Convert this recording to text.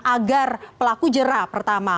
agar pelaku jera pertama